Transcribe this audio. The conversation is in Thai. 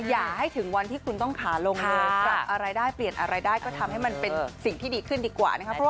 อย่าให้ถึงวันที่คุณต้องขาลงเลยปรับอะไรได้เปลี่ยนอะไรได้ก็ทำให้มันเป็นสิ่งที่ดีขึ้นดีกว่านะครับ